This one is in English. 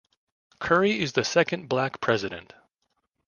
Curry is the second Black president.